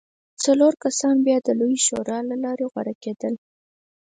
څلور کسان بیا د لویې شورا له لارې غوره کېدل